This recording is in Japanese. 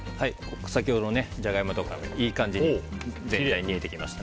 先ほどのジャガイモとかいい感じに全体、煮えてきました。